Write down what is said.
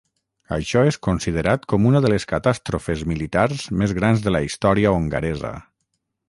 Això és considerat com una de les catàstrofes militars més grans de la història hongaresa.